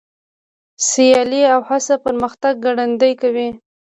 سیالي او هڅه پرمختګ ګړندی کوي.